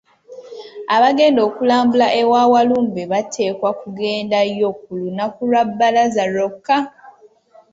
Abagenda okulambula ewa Walumbe bateekwa kugendayo ku lunaku lwa bbalaza lwokka.